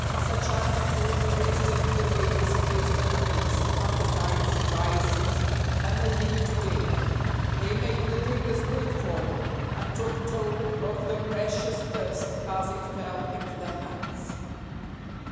Such as could minister to the diggers' physical needs, appetites, vices, had no need to dig; they made the diggers work for them, and took toll of the precious dust as it fell into their hands.